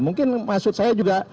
mungkin maksud saya juga